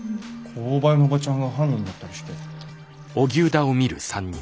購買のおばちゃんが犯人だったりして。